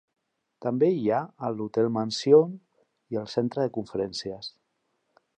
També hi ha l'Hotel Mansion i el Centre de Conferències.